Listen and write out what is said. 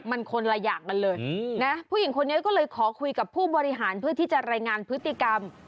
มันคนละอย่างกันเลยนะผู้หญิงคนนี้ก็เลยขอคุยกับผู้บริหารเพื่อที่จะรายงานพฤติกรรม